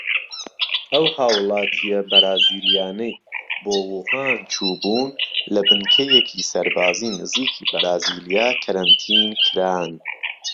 ئەو هاوڵاتیە بەرازیلیانەی بۆ ووهان چوو بوون لە بنکەیەکی سەربازی نزیکی بەرازیلیا کەرەنتین کران.